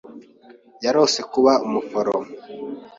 Yarose kuba umuforomo.